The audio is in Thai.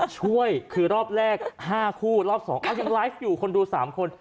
ช่วยคือรอบแรก๕คู่รอบ๒ยังไลฟ์อยู่คนดู๓คน